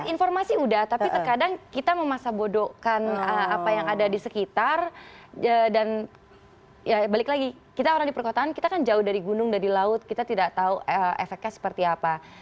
informasi udah tapi terkadang kita memasak bodohkan apa yang ada di sekitar dan ya balik lagi kita orang di perkotaan kita kan jauh dari gunung dari laut kita tidak tahu efeknya seperti apa